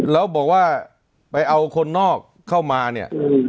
แล้วบอกว่าไปเอาคนนอกเข้ามาเนี่ย